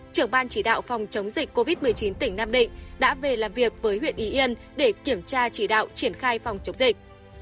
trưởng ban chỉ đạo phòng chống dịch covid một mươi chín tỉnh nam định đã về làm việc với huyện y yên để kiểm tra chỉ đạo triển khai phòng chống dịch